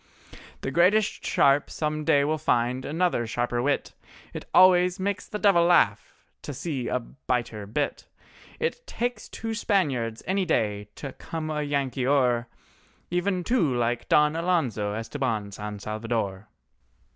The greatest sharp some day will find another sharper wit, It always makes the devil laugh to see a biter bit; It takes two Spaniards any day to come a Yankee o'er: Even two like Don Alonzo Estabán San Salvador.